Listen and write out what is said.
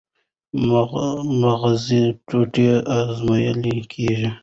مغزي ټوټې ازمویل کېږي.